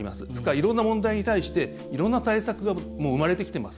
いろんな問題に対していろんな対策がもう生まれてきています。